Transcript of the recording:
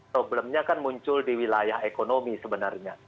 problemnya kan muncul di wilayah ekonomi sebenarnya